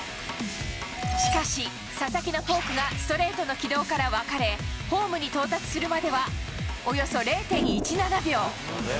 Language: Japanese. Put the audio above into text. しかし、佐々木のフォークがストレートの軌道から分かれ、ホームに到達するまでは、およそ０．１７秒。